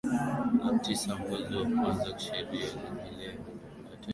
na tisa mwezi wa kwanza Kisheria Nhalevilo ataendelea kuwepo ofisini kwa muda wa miaka